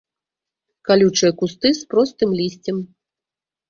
Калючыя кусты з простым лісцем.